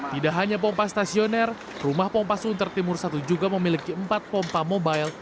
tidak hanya pompa stasioner rumah pompa sunter timur i juga memiliki empat pompa mobile